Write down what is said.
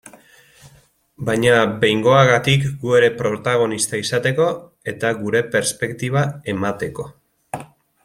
Baina behingoagatik gu ere protagonista izateko, eta gure perspektiba emateko.